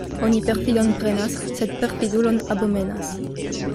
Oni perfidon prenas, sed perfidulon abomenas.